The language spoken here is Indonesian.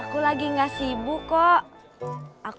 kavalinya banyak bekuan